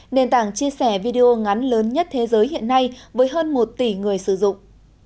nền tảng chia sẻ video ngắn lớn nhất thế giới hiện nay với hơn một tỷ người sử dụng